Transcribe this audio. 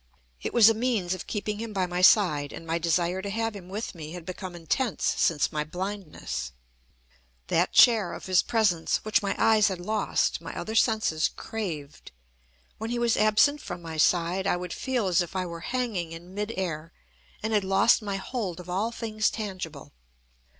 It was a means of keeping him by my side, and my desire to have him with me had become intense since my blindness. That share of his presence, which my eyes had lost, my other senses craved. When he was absent from my side, I would feel as if I were hanging in mid air, and had lost my hold of all things tangible.